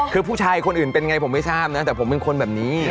คือผู้ชายคนอื่นเป็นไงผมไม่ทราบนะแต่ผมเป็นคนแบบนี้